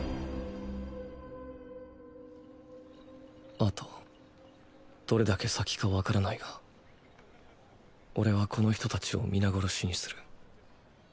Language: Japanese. あとどれだけ先かわからないがオレはこの人たちを皆殺しにする。